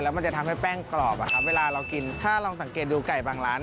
มันจะทำให้แป้งกรอบอะครับเวลาเรากินถ้าลองสังเกตดูไก่บางร้าน